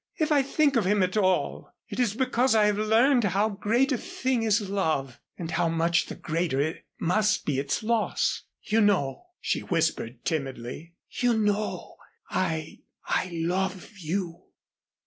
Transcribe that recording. "If I think of him at all, it is because I have learned how great a thing is love and how much the greater must be its loss. You know," she whispered, timidly, "you know I I love you."